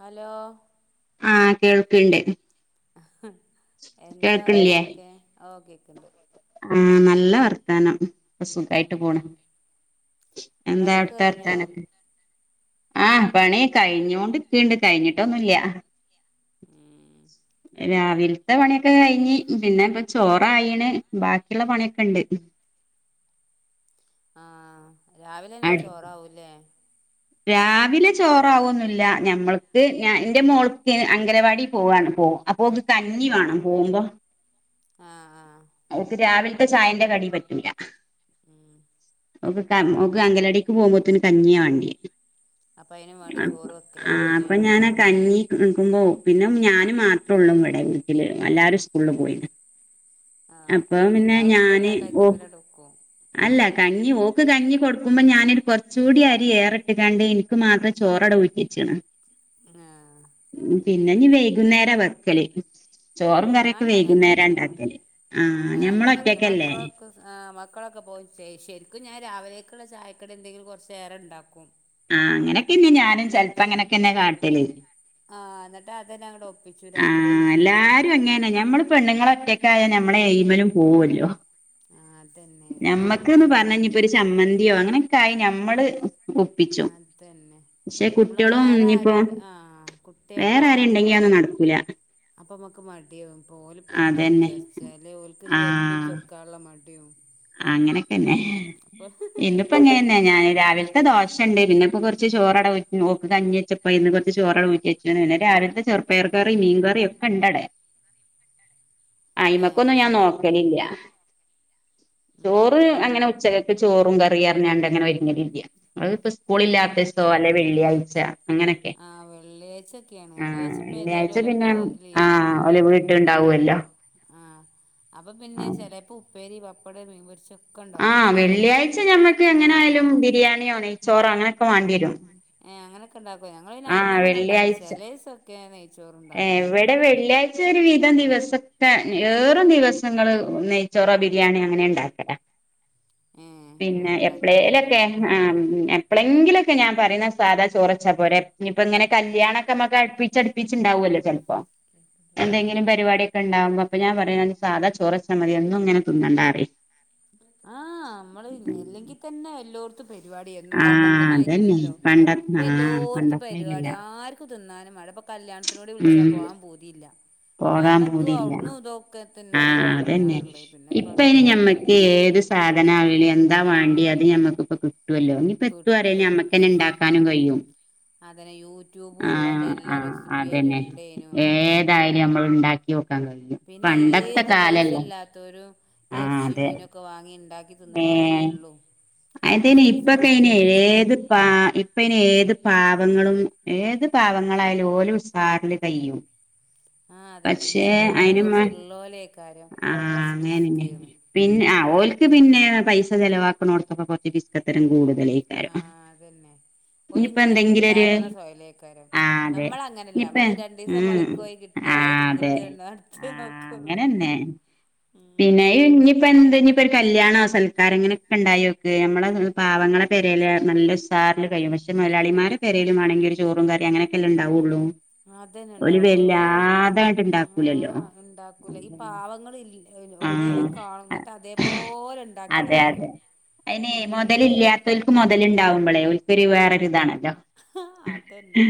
Hello ആഹ് കേൾക്ണ്ട് എന്താ കേൾക്ക്ണില്ലേ വർത്താനൊക്കെ ഓഹ് കേക്ണ്ട് ആഹ് നല്ല വർത്താനം സുഖായിട്ട് ഉം പോണ് എന്താ പണിയൊക്കെ അവിടുത്തെ കഴിഞ്ഞോ വർത്താനൊക്കെ ആഹ് പണി കഴിഞ്ഞൊണ്ട്ക്ണ്ട് കഴിഞ്ഞിട്ടൊന്നുല്ല ഉം രാവിൽത്തെ പണിയൊക്കെ കഴിഞ്ഞ് പിന്നെ ഇപ്പ ചോറായിണ് ബാക്കിയുള്ള പണിയൊക്കെ ഉണ്ട് ആഹ് രാവിലെന്നെ അട് ചോറാവൂലേ രാവിലെ ചോറാവൊന്നുല്ല ഞമ്മക്ക് ഞാ എന്റെ മോൾക്ക് അംഗനവാടി പോവണ് പോ അപ്പൊക് കഞ്ഞി വേണം പോകുമ്പോ ആഹ് ആഹ് ഓക്ക് രാവിൽത്തെ ചായന്റെ കടി പറ്റൂല്ല ഉം ഒക് കം ഒക് അങ്കലവാടിക്ക് പോകുമ്പോത് ന് കഞ്ഞിയാ വാണ്ടേ അപ്പൊ അയിന് വേണ്ടി അഹ് ചോറ് ആഹ് വെക്കലായിരിക്കുംല്ലേ അപ്പൊ ഞാനാകഞ്ഞി നിക്കുമ്പോ പിന്നെ ഞാൻ മാത്രേ ഉള്ളൂ ഇവിടെ വീട്ടില് എല്ലാരും സ്കൂള് പോയി ആഹ് അപ്പൊ പിന്നെ ഞാൻ ഉച്ചക്ക് ഞാന് ആ ഓ കഞ്ഞിമലാണ്ട് വെക്കും അല്ല കഞ്ഞി ഓക്ക് കഞ്ഞി കൊടുക്കുമ്പോ ഞാനൊരു കൊറച്ചുകൂടി അരി ഏറട്ട് കാണ്ട് ഇൻ ക്ക് മാത്രം ചോറട ഊറ്റ്യച്ചീണ് ആഹ് ഉം പിന്നെ ഞ് വൈകുന്നേര വെക്കല് ചോറും കറിയൊക്കെ വൈകുന്നേരണ്ടാക്കല് മാനു അങ്ങൻത്തെന്നെ മക്കളൊക്കെ സ് ആഹ് മക്കളൊക്കെ പോയിൻ ശേഷ ശരിക്കും ഞാൻ രാവിലേക്കുള്ള ചായക്കടി എന്തെങ്കിലു കുറച് ഏറെ ണ്ടാക്കു ആഹ് അങ്ങനൊക്കന്നെ ഞാനും ചെലപ്പോ അങ്ങനൊക്കെന്നെ കാട്ടല് ആഹ് ന്നട്ട് അതന്നെ അങ്ങടെ ഒപ്പിച്ചു രാത്രിയരെ ക്യു അങ്ങനെ നമ്മൾ പെണ്ണുങ്ങള ഒറ്റക്കായ ഞമ്മളെ എയി്മലും പോവുഎല്ലോ ആഹ് അതന്നെ ഇതോര് പറഞ്ഞ ഇനിയിപ്പോ ഒരു ചമ്മന്തിയോ അങ്ങനെയൊക്കെ ആയി ഞമ്മള് ഒപ്പിച്ചും അതന്നെ പക്ഷെ അമ്മള് കുട്ടികളും വേറെ ഇനിയിപ്പോ ആരെലു ആഹ് കുട്ട്യേളോ വേറെ ആരും ഉണ്ടെങ്കി അതൊന്നും നടക്കൂല അപ്പൊമ്മക്ക് മഡ്യാഉം പ്പോലിപ്പ എന്താ അതന്നെ വിചാരിച്ചാല് ഓൽക്ക്ത് ആഹ് വലമ്പിച്ചടുക്കാനുള്ള മടിയും അങ്ങനൊക്കെന്നെ ഉം അപ്പൊ ഇന്നിപ്പോ അത് എങ്ങനന്നെ ഞാൻ വിചാരിച്ച് രാവിൽ ത്തെ ദോശണ്ട് പിന്നെപ്പൊ കുറച്ച് ചോറോട ഊ ഓക് കഞ്ഞിച്ചപ്പോ ഇന്ന് കുറച്ച് ചോറോട ഊറ്റെച്ണ് ല്ലേ രാവിൽത്തെ ചെറുപ്പയർ ആ കറി മീൻകറി ഒക്കെ ഇണ്ടട ഏ അത് ആയിമക്കൊന്നും ഞാൻ ശരി നോക്കലില്ല ചോറ് ഉം അങ്ങനെ ഉച്ചക്കത്ത ചോറും ക റിഅർഞ്ഞാണ്ട്ങ്ങനെ ഒര്ങ്ങലില്ല അഹ് പ ഉം സ്കൂളില്ലാത്തസ്ത്തോ അല്ലെവെള്ളിയാഴ്ച അങ്ങനെ ക്കെ ആ വെള്ളിയാഴ്ചൊക്കെയാണ് ആഹ് ഇപ്പ ഏതായാലും വെള്ളിയാഴ്ച ഓലെ പിന്നെ ഇപ്പ ആഹ് ഓല് വീ ട്ട് ഉണ്ടാവോല്ലോ ആഹ് അപ്പൊ പിന്നെ ചെലേപ്പോ ഉപ്പേരി പപ്പട മീൻപൊരിച്ചോ ആഹ് വെള്ളിയാഴ്ച ഞമ്മക്ക് ആ എങ്ങനെ ആയാലും ബിരിയാണി യോനെയ്ചോറോ അങ്ങനെക്കെ വാണ്ടി വരും ഏഹ് അങ്ങനെക്കെ ഉണ്ടാക്കോ ഞങ്ങള് പിന്നെ അങ്ങനെന്നും ഉണ്ടാക്കുല വെള്ളിയാഴ്ച ചിലേസൊക്കെ നെയ്ച്ചോറ് ഉണ്ടാക്കും ടെ വെള്ളിയാ ച്ച ഒരു വിധം ദിവസക്ക ഏറും ദിവസങ്ങള് നെയ്ച്ചോറോ ബിരിയാണി അങ്ങനെ ഉണ്ടാക്കല ഏ പിന്നെ അങ്ങനെ ഉണ്ടാക്കലല്ലേ എപ്പളേലൊക്കെ ആഹ് എപ്പളെങ്കിലൊക്കെ ഞാൻ പറയുന്ന സാധാ ചോറച്ചാ പോരെ ഇപ്പ ഇങ്ങനെ കല്യാണ ക്കെമ്മക്ക് അടുപ്പിച്ചടുപ്പിച്ച് ഉണ്ടാവൊല്ലോ ചെൽപ്പോ എന്തെങ്കിലും പരിപാടി ക്കെണ്ടാവുമ്പോ അപ്പൊ ഞാൻ പറുന്നത് സാധാ ചോറച്ചാ മതി എന്നുംങ്ങനെ തിന്നണ്ടാറി ആഹ് നമ്മള്ന്നെ അല്ലെങ്കി തന്നെ എല്ലോട് ത്ത്പരിപാടിയരുന്നു പണ്ടത്തെ ആഹ് അതന്നെ മാരിയല്ലല്ലോ പണ്ട ഇപ്പ ആഹ് എല്ലോർത്ത് പണ്ടത്തെരില്ല പരിപാടി ആർ ക്ക് തിന്നാനും വേണ്ട ഇപ്പോ കല്യാണത്തിനോട് ഉം വിളിച്ചാൽ പോകാൻ പുതിയില്ല പോകാൻ കാരണം ഇത് പൂതില്ല അവിടുന്ന് ഇതോക്കെ തിന്ന ആഹ് അതന്നെ തിന്നാനുള്ളേ പിന്നെ ഇപ്പം ഇപ്പ ഇനി അങ്ങനെ ഞമ്മക്ക് ഏത് സാധന എന്താ വേണ്ടിയത് അത് നമ്മക്ക്പ്പ കിട്ടുവല്ലോ ഇനിയിപ്പോ എത്ത അറിയാല്ലോ കിട്ടും ഞമ്മക്കന്നെ ഉണ്ടാക്കാനും കഴിയും അതന്നെ യൂട്യൂബും ഉള്ളോണ്ട് ആഹ് ആ എല്ലാ റെസിപ്പിയും അതന്നെ അതിലുണ്ടേനു ഏ ഏതായല് നമ്മൾണ്ടാക്കി നോക്കിക്കാന് പറഞ്ഞ് പിന്നെ ഏത് പൈസ ഇല്ലാത്തെരു ആഹ് യസ് യും അതെ മീനൊക്കെ വാങ്ങി ഉണ്ടാക്കി തിന്നണോര്ന്നെ ഉള്ളൂ നമ്മൾ അതന്നെ മുസ്ലിംസ് ഇപ്പക്കഅങ്ങനെഏ പ്രത്യേകിച്ചും ത് പാ ഇപ്പ ഇനി ഏത് പാവങ്ങളും ഏത് പാവങ്ങളായാലും ഓല ഉസാറിൽ കയും ആ അതന്നെ പിന്നെ പക്ഷേ എനിക്ക് തോന്നണ അയിന്മ്മ കുറച്ച് ഉള്ളോലേക്കാരം ആഹ് കുറച്ച് അങ്ങാനന്നെ പിസ്ക്ന്ന് പിന്നെ ആ ഓലക്ക് പിന്നെ പൈസ ചെലവാക്കണോടത്തൊക്കെ കുറച്ച് പിസ്ക്കത്തരം കൂടും ആഹ് അതന്നെ ഓല ഇനിയിപ്പോ ഇങ്ങനെ എന്തെങ്കിലും ഒരു ഉണ്ടാക്കണ സ്വയലേക്കാരം ആ അതെ നമ്മള അങ്ങനെയല്ല ഇനിപ്പ നമ്മള് രണ്ട ദിവസം ഉം പണിക്കയി കിട്ട ആ അതെ ട്ടഅതത്തിന്നിട്ട് എന്നെ ആ അടുത്തേ നോക്കള്ളൂ അങ്ങനെന്നെ ഉം ഇപ്പൊ എന്ത ഇപ്പോ കല്യാണ സൽക്കാരങ്ങളൊക്കെ ഉണ്ടായോ നമ്മള പാവങ്ങളെ പേരേല് നല്ല ഉസാറിൽ കഴിയും പക്ഷെ മുയലാളിമാരെടെ പരല് വണമെങ്കിൽ ഒരു ചോറും കറി അങ്ങനെ ല്ല ഉണ്ടാവുള്ളൂ അതന്നെ ഓല് ഇണ്ടാവുള്ളൂല് വല്ലാതെ അങ്ങട്ട് ഇണ്ടാക്കൂലല്ലോ ആഹ് ഇണ്ടാക്കൂല ഈ പാവങ്ങളല്ല ഇവിടെ കാണും ആ എന്നിട്ട് അതേപോലെ ഉണ്ടാക്കി അതെ നടക്കും ഉം ഒൽക്ക് മുതലുണ്ടാവുമ്പോളേ ഒൽക്കവേറൊ ഒരിതാണല്ലോ ആ അതന്നെ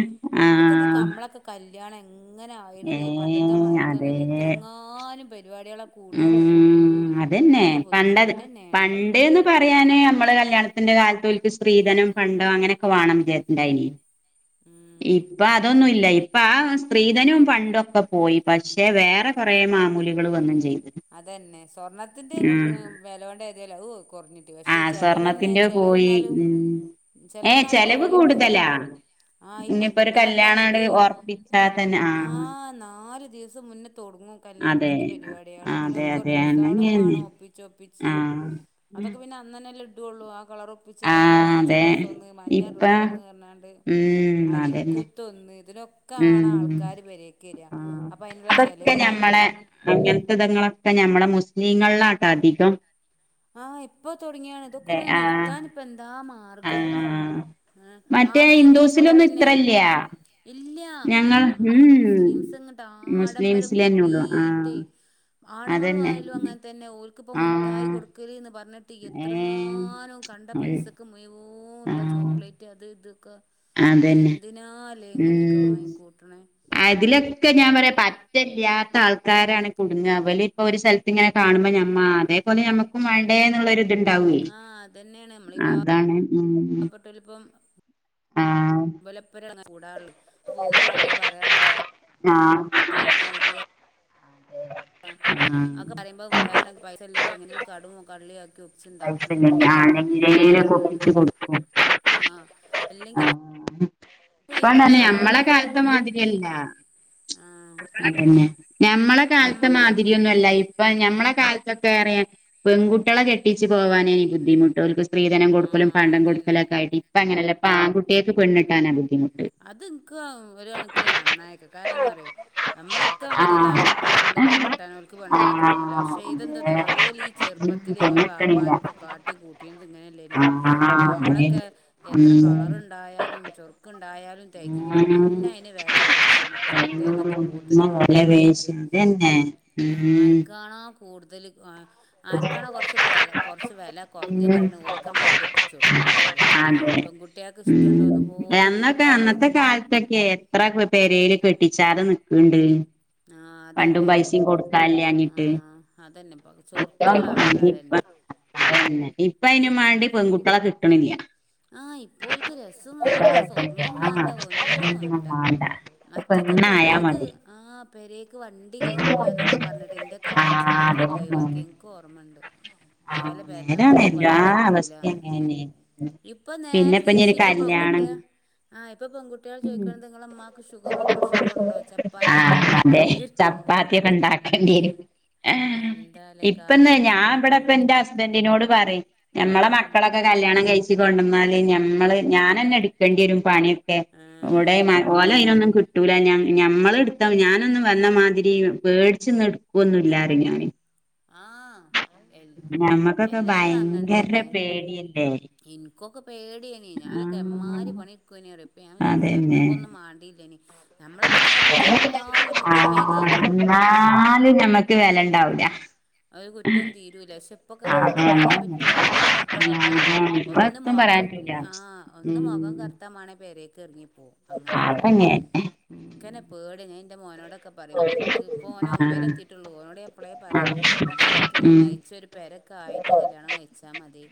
ഇപ്പ തന്നെ കമ്മളൊക്കെ കല്യാണം എ എങ്ങനെ ആയിണില്ലേ ഏ പണ്ടത്തെ അതെ മാര്ക്കുംന്നല്ല എത്രങ്ങാനും പരിപാടികളൊ ഉം അതന്നെ പണ്ടത് ബുദ്ധിമുട്ടെന്നേണ് പണ്ട് ന്ന് പറയാന് നമ്മള് കല്യാണത്തിന്റെ കാലത്തോൽക്ക് സ്ത്രീധനം പണ്ടം അങ്ങനെയൊക്കെ വേണം വിജാരിക്കണ്ടായിനി ഉം ഇപ്പൊ അതൊന്നുമല്ല ഇപ്പൊ ആ സ്ത്രീധനവും പണ്ടൊക്കെ പോയി പക്ഷെ വേറെ കുറെമാമൂലി കളവന്ന് ചെയ്ത് അതന്നെ സ്വർണത്തിന്റെ ഉം വിലകൊണ്ട ഏതല്ല ഓ കുറഞ്ഞി ആ പക്ഷെ ചെലവന്നെ സ്വർണത്തിന്റെ ചെലവ പോയി എന്നാലും ഉം ചെലവ ഏ എന്നാലും ചെലവ് കുറണിലിപ്പ് കൂടുതലാ ആഹ് ഈ ഇനിയിപ്പോ ഒരു കല്യാണാണ്ട് പെൺകുട്ടികൾക്കാണെങ്കി ഒറപ്പിച്ചാ തന്നെ ആഹ് നാല് ദിവസം മുന്നേ തൊടങ്ങും അതെ കല്യാണത്തിന്റെ പരിപാടികള് അതെ അതിനൊക്കെ അതെ ഡ്രസ്സ ആളും അങ്ങനെന്നെ വേണം ഒപ്പിച്ച് ഒപ്പിച്ച് ആഹ് അതൊക്കെ പിന്നെ അന്നനെ ലഡ് ഉള്ളൂ ആ കളർ ഒപ്പിച്ച എടുക്കുന്ന പ ആഹ് പച്ച അതെ ഡ്രസ്സ് ഒന്ന് മഞ്ഞ ഇപ്പ ഡ്രസ്സ് ഒന്ന് പറഞ്ഞാണ്ട് ഉം അതന്നെ അരിക്കുത്തൊന്ന് ഇതിലൊ ഒക്കെ ആണ ഉം ആൾക്കാര് പെരേക്കര ആഹ് അപ്പംഅതിനുള്ള അതൊക്കെ ചെലവ് ഞമ്മളെ വേറെയും അങ്ങനത്തെ ഇതങ്ങളൊക്കെ ഞമ്മുടെ മുസ്ലിങ്ങളിലാട്ട അധികം ആഹ് ഇപ്പൊ തുടങ്ങിയാണ് ഇതൊക്കെ അതെ ഒന്ന് ആഹ് നിർത്താൻ ഇപ്പൊ എന്താ മാ മാർഗം എന്നാ ആഹ് ഏഹ് മറ്റേ ആണുങ്ങൾക്കും ഹിന്ദൂസിലൊന്നും ചെലവെന്നെ ഇത്രല്ല ഇല്ല ഞങ്ങൾ അമ്മൾ ഉം മുസ്ലിംസ് ങ്ങട്ട ആഡംബരം മുസ്ലിംസിലന്നെ ഉള്ളു ആഹ് കൂടിട്ടേ ആണുങ്ങളും അതന്നെ ആയാലും അങ്ങനെ തന്നെ ഓക്കിപ്പ മുട്ടായി ആഹ് കൊടുക്കലന്ന് പറഞ്ഞിട്ട് എത്രങ്ങാനും കണ്ട ഏഹ് പൈസക്ക് മുയുവും ഇള്ള ആഹ് ചോക്ലേറ്റ് അത് ഇത് ഒക്കെ ലെ അതന്നെ എന്തിനാ ല്ലേ ഇങ്ങനെയൊക്കെ ഉം വാങ്ങി കൂട്ടണേ? അതിലൊക്കെ ഞാൻ പറയാൻ പറ്റെ ഇല്ലാത്ത ആൾക്കാ കാരാണ്കുട്ങ്ങ ഇവല്ഇപ്പൊഒരുസ്ഥലത്ത് ഇങ്ങനെ കാണുമ്പോ അതേപോലെ ഞമക്കും വേണ്ടേ എന്നുള്ള ത് ണ്ടാവേ ആഹ് അതന്നെയാണ് നമ്മളീ അതാണ് ഉം ആഹ് ഓല ഒപ്പരം കൂടല്ലേ അപ്പോ ഓല്‍ക്ക് ഓളോട് പറയാനുള്ള മടി ആഹ് എ അത് ഇത് ആക്ക [unintelligible] പറയുമ്പോൾ ഉദാഹണക്ക് പൈസ എല്ലന്തെങ്കിലോ എന്തെങ്കിലും കടോ കള്ളിയാക്കി പൈസല്ല ഞാൻ എങ്ങനെങ്കിലും അയിനുള്ള കൊപ്പിച്ച് കൊടുക്കു ആഹ് അല്ലെങ്കി ഇപ്പ ഈ ഈ മാമൂല തന്നെഞമ്മളെ കാലത്തെ മാതിരി അല്ല ആ അതന്നെ ഞമ്മളെ നം കാലത്തെ മാതിരി ഒന്നും അല്ല ഇപ്പൊ ഞമ്മളെ കാലത്തൊക്കറ പെൺകുട്യളെ കെട്ടിച്ച് പോവാനെനി ബുദ്ധിമുട്ട ഓർക് ആ അതന്നെ സ്ത്രീധനംകൊടുക്കലുംപണ്ടകൊടുക്കലൊക്ക ആയിട്ട് ഇപ്പ അങ്ങനെല്ല ഇപ്പ ആൺ കുട്ടിയേക്ക് പെണ്ണിട്ടാനാ ബുദ്ധിമുട്ട് അത് ഇൻക്ക് ഒരു കണക്ക് നന്നായിക്ക കാരണം എന്താ അറിയോ? ആഹ് നമ്മളൊക്കെപെരല്ആൺകുട്ടി ൾ പെണ്ണെട്ടാനോൽക്ക് പെണ്ണൊന്നും ആഹ് കിട്ടണില്ല പക്ഷെ ഇതന്താ അറിയോ ഓലി ചെറുപ്പ അതെ - - ത്തില ഓല പെണ്ണിട്ട്ണില്ല വാപ്പാര് ഒക്കെ കാട്ടി കൂട്ടിത് ഇങ്ങനെയല്ല നോ? അപ്പൊ ആഹ് അതെ നമ്മളൊക്കെ എത്ര ഉം കളർ ഇണ്ടായാലും ചൊറുക്ക ഇണ്ടായാലും - - തെകൂല ഉം പിന്നെ അതിന് വില പേശണം ചന്തേ ന്നട്ടം പോത്തിനെ വെല വാങ്ങണമായിരിക്ക പേശി അതന്നെ ആഹ് ഉം ആർക്കാണോ കൂടുതൽ ആർക്കാണോ കൊറച്ച്കൊല്ലകൊറച്ച് വെല കുറഞ്ഞ് ഉം പറയണ് ഒൽക്ക് ഞമ്മള് കെട്ടിച്ചു കൊടുക അതുള്ളൂനി അതെ പെൺകുട്ടിൾക്ക് ഇഷ്ടുണ്ടോന്ന് പോലു ഇപ്പ ഒക്കെ എത്ര പെരല് കെട്ടിച്ചാതെ നിക്കണ്ട് ആഹ് അതന്നെ കല്ല്യാണിട്ട് അതന്നെപ്പ ചൊറുക്കുള്ള ആൾക്കാർ തന്നെ പിന്നെ ഇപ്പ അതിന് മാണ്ടി പെൺകുട്യളെ കിട്ടണില്ല ആഹ് ഇപ്പം ഒൽക്ക് രസുംവേണ്ട സ്വർണും ആഹ് വേണ്ട ഒന്നും അതൊന്നും വേണ്ട മാണ്ട മറ്റൊക്കെ പെണ്ണായാ പെരേക്ക് മതി ആഹ് പെരേക്ക് വണ്ടി കേറൂലന്നൊക്കെ പറഞ്ഞിട്ട് എന്റെ ആഹ് എളേച്ചൻ അങ്ങനൊക്കെ ഒഴിവാക്കി അതന്നെ എനിക്ക് ഓർമ്മണ്ട് ആഹ് ഓലെ പെരന്റെ നേരാണ് മുറ്റത്തക്ക് എല്ലാ വണ്ടി അവസ്ഥയും എത്തൂലാന്ന് അങ്ങനെന്നെ ഇപ്പൊ നേരെ തിരിച്ച് പിന്നെപ്പഞ്ഞൊരു ഇപ്പ പെൺകുട്ടിയ കല്യാണം ആഹ്ഇപ്പപെകുട്ടിള്ചോ ഉം ദിക്കണതനിങ്ങള ഇമ്മാക്ക് ഷുഗറോ പ്രഷറോ ഉണ്ടോ ആഹ് ചപ്പാത്തിയൊക്കെ അതെ ഇണ്ടാക്കേണ്ടി ചപ്പാത്തിയൊക്കെ ഇണ്ടാക്കേണ്ടി വരും എന്താലേ ഇപ്പന്ന് കാലം ഞാൻ മാറിയൊരു ഇവിടെപ്പോ എന്റെ മാറ്റം ഹസ്ബൻറിനോട് പറയും. ഞമ്മളെ ഉം മക്കളൊക്കെ കല്യാണം കഴിച്ച് കൊണ്ടുവന്നാല് ഞമ്മള് ഞാനെന്നെ എടുക്കേണ്ടി വരും പണിയൊ എ മോ ആഹ് മാണം ഓലെ അയിനൊന്നും കിട്ടൂല, ഞ ഞ ഞമ്മള് എടുത്ത ഞാനൊന്നും വന്നമാതിരി പേടിച്ചിന്ന് എടുക്കൊന്നുല്ലാ പറിം ഞാന്. ആ എൽ ഞമ്മക്കൊക്കെ ഭയങ്കര പേടിയല്ലേ. ഇൻകൊക്കേ പേടിയേ നി ഞാനൊക്കെ ആഹ് എമ്മാരി പണിടുക്കേനി ഇപ്പ ഞാൻ വിചാരിച്ച അതന്നെ അത്രയ്ക്കൊന്നും മാണ്ടില്ലേനി. നമ്മളൊക്കെ അന്ന് എത്ര എടുത്താലും നമ്മുക്കൊരു വെലീല്ല, ആഹ് എന്നാലും ഞമ്മക്ക് വെല ആഹ്. ഉണ്ടാവൂല അവ കുറ്റം തീരൂല പക്ഷെ ഇപ്പൊക്കെ അങ്ങനെ എന്തേ പറയാൻ ആഹ് പറ്റോ ഒന്നേ കാട്ടാൻ പറ്റോ. ആഹ് ഒന്ന് ഇപ്പത്തും മുഖം പറയാൻ പറ്റൂല ആഹ് ഒന്ന് മുഖം ഉം കറുത്താ മാണേ പെരേക്ക് ഇറങ്ങിപ്പോവും അങ്ങനൊക്കെണ്. അതന്നെ ഇൻക്കന്നെ പേടിയാ ഞാൻ ഇന്റെ മോനോടൊ ക്കെ പറയും അൻക്ക് ഇപ്പോ ഓന് ഒമ്പതില് ആഹ് എത്തിയിട്ടുള്ളൂ, ഓനോട് ഇപ്പോളേ പറയും ഇജ്ജ് അൻക്ക് ഉം നയിച്ചൊരു പെരക്കെ ആയിട്ട് കല്യാണം കഴിച്ചാ മതി.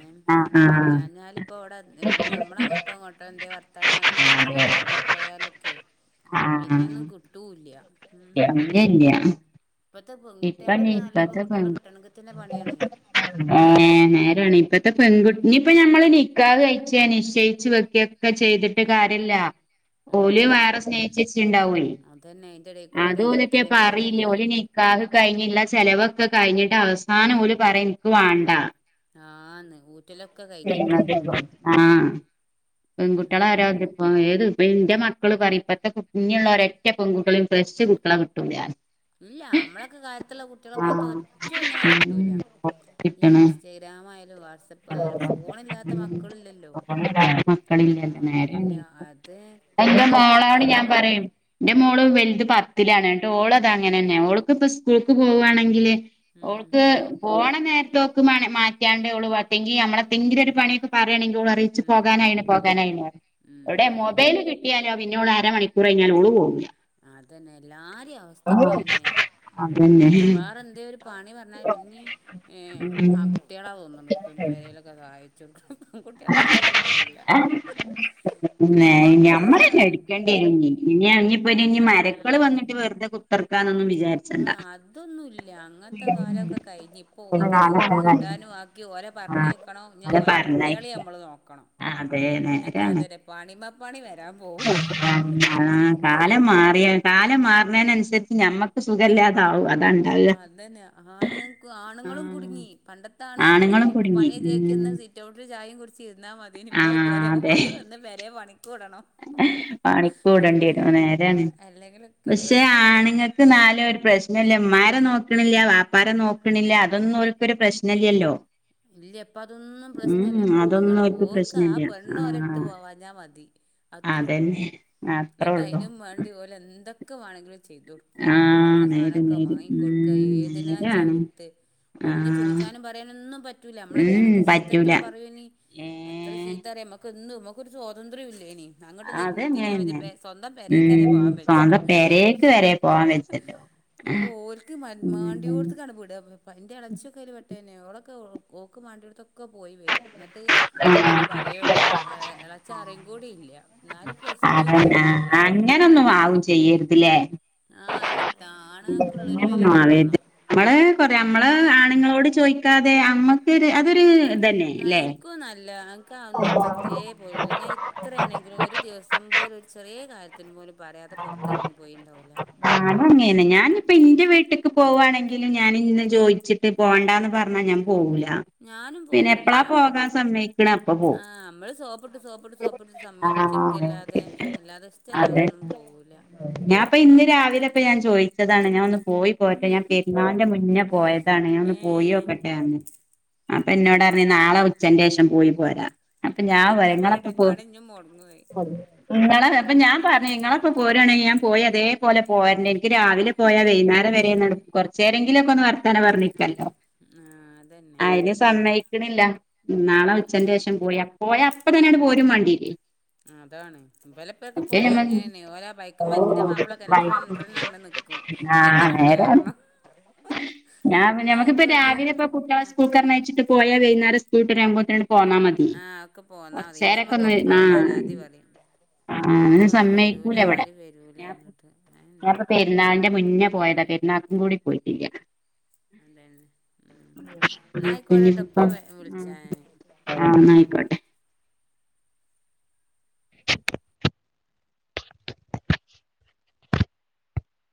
എ ആഹ് എല്ലാഞ്ഞാല് പ്പോ ഇവടെ വന്ന് നമ്മള് അങ്ങോട്ടോ ഇങ്ങോട്ടോ എന്ത് വർ വർത്താനം പറഞ്ഞ് പറ്റിലെങ്കിൽ ആഹ് എറങ്ങിപ്പോയാലൊക്കെ പിന്നെ ഒന്നും കിട്ടൂല്ല്യ. എറങ്ങില്യ ഇപ്പ നീ പെൺകുട്ടികളെന്നെ നല്ല പെൺകുട്ടികളെ ഇപ്പഞ്ഞ്'' കിട്ടണമെങ്കിൽ തന്നെ പണിയാണേ [unintelligible] ഏ നേരാണ് ഇപ്പത്തെ പെൺകുട്ടി ഇഞ്ഞ് ഇപ്പ ഞമ്മള് നിക്കാഹ് കഴിച്ചേ നിശ്ചയിച്ച് വെക്കേ. ക്കെ ചെയ്തിട്ട് കാര്യല്ല. ഓല് ഉം വേറെ സ്നേഹിച്ച് വെച്ചിട്ടാവും, അതന്നെ അതിൻ്റെ ഇടയിൽ കൂടി അത് ഓലറ്റെ അങ്ങനെയൊക്കെന്നെ പരിപാടി പറീല്യ ഓല് നിക്കാ നിക്കാഹ് കഴിഞ്ഞിള്ള ചെലവൊക്കെ കഴിഞ്ഞിട്ട് അവസാനം ഓല് പറേം എനിക്ക് വാണ്ട. ആഹ് ന്ന് ഊറ്റലൊ ആഹ് ഉം പെൺകുട്ടികളാരോ ആഹ് ഏത് ഇ ഇന്റെ മക്കള് പറയും ഇപ്പത്തെ ഇഞ്ഞ് ഉള്ള ഒരൊറ്റ പെൺകുട്ടികളേം ഫ്രഷ് കുട്ടികളെ കിട്ടൂല. ഇല്ല നമ്മളൊക്കെ കാലത്തുള്ള കുട്ടികളെ പോലത്തെ ആഹ് ഒറ്റൊന്നിനെ ഉം കിട്ടൂല ഈ കിട്ടണ ഇൻസ്റ്റ ഗ്രാമായാലും വാട്സപ്പ് പ്പായാലും ഫോണില്ലാത്ത മക്കളില്ലല്ലോ മക്കളില്ലല്ലോ ആഹ് ഇല്ല നേരെ അത് എന്റെ അതൊക്കെ മോളോട് കഴി ഞാൻ പറയും. എന്റെ മോള് വലുത് പത്തിലാണ് എന്ന്ട്ട് ഓള് അതാ അങ്ങനന്നെ ഓൾക്ക് ഇപ്പോ സ്കൂൾക്ക് പോവാണെങ്കില് ഉം ഓൾക്ക് പോണ നേരത്ത് ലോക്ക് മാറ്റിയാണ്ട് ഓള് എത്തെങ്കി നമ്മളത്തെങ്കിലും ഒരു പണിയൊക്കെ പറയണെങ്കി ഓള് പറയും ഇച്ച് ഉം പോകാനായിണ് പോകാനായിണ് എവിടെ ഉം മൊബൈല് കി കിട്ടിയാലോ പിന്നോള് അരമണിക്കൂർ കഴിഞ്ഞാലും ഓള് പോകൂല. അതെന്നെ എല്ലാരേം അവസ്ഥ ഇപ്പ അയന്നെ ഉം അതന്നെ വേറെന്തെ ഒരു പണി പറഞ്ഞാൽ പിന്നെ ഏ ആൺകുട്ടികളാ തോന്നണ് ഇപ്പം പെരെലൊക്കെ സഹായി ച്ചൊടുക്കുന്ന പെൺകുട്ടികളെ തീരെ കിട്ടണില്ല. ന്റെ മോൻ പിന്നേം ഞമ്മളന്നെ സഹായിക്കും. എടുക്കേണ്ടി വരും ഇനി അനിപ്പൊരു മരുക്കൾ ഉം വന്നിട്ട് വെറുതെ കുത്തർക്കാന്നൊന്നും വിചാരി ആ അതൊന്നുല്ല അങ്ങനത്തെ കാലക്കെ കഴിഞ്ഞ് ഇപ്പൊ ഓര്ക്ക് ചോറും വിചാരിച്ചണ്ട കൂട്ടാനും ആക്കി ഓരെ പറഞ്ഞ് ക്കണം ഇഞ്ഞ് അത് ഓലെ കുട്ടികളേം പറഞ്ഞയക്ക നമ്മള് നോക്കണം. അതെ ഇഞ്ഞൊക്കെ നേരാണ് അതന്നെ പണിമപ്പണി വരാൻ പോവും [unintelligible] കാലം മാറിയ കാലം മാറണേനസരിച്ച് ഞമ്മക്ക് സുഖല്ലാതാവും അതാണ്. അതന്നെ ആണുങ്ങക്കും ആണുങ്ങളും ആഹ് കുടുങ്ങി പണ്ടത്തെ ആണുങ്ങക്ക് ഇങ്ങനെ ആണുങ്ങളും കുടുങ്ങി പണി ഉം ചെയിക്ക്ന്ന സി സിറ്റോട്ടിൽ ചായേം കുടിച്ചിരുന്നാ മതിനി ഇപ്പോ അത് ആഹ് പോര ഓല് വന്ന് പെരെ പണിക്ക് കൂടണം. പണിക്കൂടേണ്ടി വരും ആ, നേരാണ് അല്ലെങ്കിലൊക്കെ പഷെ പ്രശ്നം തന്നെ ആണുങ്ങക്ക് ന്നാലും ഒരു പ്രശ്നില്ല ഉമ്മാരെ നോക്കണില്ല വാപ്പാരെ നോക്കണില്ല അതൊന്നും ഓല്ക്കൊരു പ്രശ്നില്ലല്ലോ. ഇല്ല ഇപ്പോ അതൊന്നും പ്രശ്നല്ല അതൊന്നും പെണ്ണുങ്ങള് ഓൽക്ക് ആ പ്രശ്നല്ല പെണ്ണ് ഓര്ട്ത്ത് ആഹ് പോവാ ഞ്ഞാ മതി അത്രുള്ളൂ അതന്നെ അത്രേ എന്നിട്ട് ഉള്ളൂ അയിനും മേണ്ടി ഓല് എന്തൊ ക്കെ വേണെങ്കിലും ചെയ്തു കൊടുക്കും ആഹ് പറയണ നേര് സാധനൊക്കെ നേര് മാങ്ങിക്കൊടുക്കും ഉം ഏതിനാച്ചാ നേരാണ് വിട്ട് ഒന്ന് ആഹ് ചോദിച്ചാനും പറയാനൊന്നും പറ്റൂല ഉം നമ്മളൊക്കാണെങ്കി ചീത്ത എത്ര പറ്റൂല പറ പറയോനി എത്ര ഏഹ് ചീത്തറിയ നമക്ക് ഒന്നും നമ്മക്കൊരു സ്വാതന്ത്ര്യം ഇല്ലേനി. അങ്ങോട്ട് തിരിയാൻ അതങ്ങനെന്നെ വയ്യ സ്വന്തം പെരേക്ക് തന്നെ ഉം പോവാൻ പറ്റോ സ്വന്തം പെരേക്ക് വരെ പോവാൻ വെച്ചല്ലോ ഇപ്പൊ ഓൽക്ക് ഉം മേണ്ടിയോട്ത്ത്ക്കാണ് വിടാ ഇപ്പയിന്റെ എളച്ചി ഒക്കെ അയൽ പെട്ടെന്നെ ഓളൊക്കെ ഓക്ക് വാണ്ടിയോടത്ത് ക്ക പോയി വരും എന്നിട്ട് ഇവടെ പറയുള്ളൂ എളച്ചൻ അറിയും കൂടില്ല ന്നാലും അങ്ങനൊന്നും ആവും ചെയ്യരുതില്ലേ ആഹ് അയിനത്താണുങ്ങൾക്കുള്ള ഒരു വെല കൊടുക്കണം അമ്മള് അമ്മള് ആണുങ്ങളോട് ചോയിക്കാതെ അമ്മ അതൊരു ഇതന്നെ ആഹ് അല്ലെ ഇൻക്കും നല്ല ഇൻക്ക് അതൊന്നും പറ്റേ പോലുല്ല ഞാൻ ഇത്രയാണെങ്കിലും ഒരു ദിവസം പോലു ഒരു ചെറിയ കാര്യ ത്തിന് പോലും പറയാതെ പുറത്തിറങ്ങി പോയിണ്ടാവൂല പോവുവാണെങ്കിൽ ഞാൻ ഇങ്ങ ചോദിച്ചിട്ട് പോണ്ടാ എന്ന് പറഞ്ഞാൽ ഞാ പോകൂല ഞാനും പോവൂല അപ്പ പോവും ആഹ് അമ്മള് സോപ്പിട്ട് സോപ്പിട്ട് സോപ്പ് സമ്മയിപ്പിച്ചെടുക്കെല്ലാതെ അല്ലാതെ അതെ ഇഷ്ടല്ലാതൊന്നും പോവൂല ഞാൻ ഇപ്പ ഇന്ന് രാവിലെ ഇപ്പൊ ഞാൻ ചോയിച്ചതാണ് ഞാൻ ഒന്ന് പോയി പോയട്ടെ ഞാൻ പെരുന്നാളിന്റെ മുന്നേ പോയതാണ് ഞാൻ ഒന്ന് പോയി ഏഹ് ഓക്കട്ടെ എന്ന് അപ്പൊ എന്നോട് പറഞ്ഞ് നാളെ ഉച്ചന്റേഷം പോയി പോരാ അപ്പൊ ഞാൻ വരാ അങ്ങനൊക്കെ ഇങ്ങളെപ്പ പറയട്ടെ ഇനി പോ വാണേ ഇഞ്ഞും മൊടങ്ങും അത് നിങ്ങളെ അപ്പൊ ഞാൻ പറഞ്ഞു നിങ്ങളപ്പോ പോരു ആണെങ്കി ഞാൻ പോയി അതേ പോലെ പോരണ് രാവിലെ പോയാ വൈന്നേരം വരെ കുറച്ചേരെങ്കിലും ഒക്കെ ഒന്ന് വർത്താനം പറഞ്ഞിരിക്കാല്ലോ ആഹ് അതന്നെ സമ്മേയ്ക്ക്‌ണില്ല നാളെ ഉം ഉച്ചന്റെഷം പോയ പോയ അപ്പ തന്നെ ഈണ്ട് പോരും മാണ്ടിയെരോയ് അതാണ് ഇവലെപൊക്കെ പോയാ അങ്ങെനെണ് ഓല് ആ ബൈക്മ്മെ ഇന്റെ മാപ്പള ഒകെ ട്രൻ ട്രൻ ന്നറഞ്ഞു നിക്കും ആഹ് അയ്ക്കെന്നെ ആണ്ട് നേരാണ് കേറണം ഞാൻ പിന്നെ ഇന്നാ നമ്മക്ക് പ്പെ ആയിക്കോട്ടെ രാവിലെ ഇപ്പ കുട്ട്യാളെ സ്കൂ ക്കറഞ്ഞയച്ചിട്ട് പോയാ വെയ്ന്നേരം സ്കൂൾ ട്ട് വരാവുമ്പോത്തിന് ആണ്ട് ആഹ് ഒക്കെ പോന്നാ മതി. ഇന്റെ മ്മക്കെ ഒന്ന് എപ്പോഴും ആഹ് പരാതി പറിം ആഹ് അങ്ങനെ ഒന്നും വരൂല സമ്മയിക്കൂല ഇവിടെ ആരും വരൂലാ ഞാൻ ർഞ്ഞിട്ട് അയെന്നെ ഞാൻപ്പ പെരുന്നാളിന്റെ മുന്നേ പോയതാ പെരുന്നാക്കും കൂടി പോയിറ്റില്ല്യ അതെന്നെ ഉം ന്നാ ആയിക്കോട്ടെ ട്ടൊ ഇപ്പം കുഞ്ഞിപ്പം വെ വിളിച്ച ആഹ് ഞാന് ആഹ് ന്നാ അയിക്കോട്ടെ